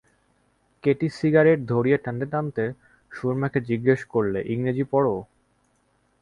Katie cigarette ধরিয়ে টানতে টানতে সুরমাকে জিজ্ঞাসা করলে, ইংরেজি পড়?